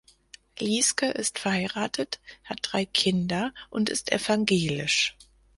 Lieske ist verheiratet, hat drei Kinder und ist evangelisch.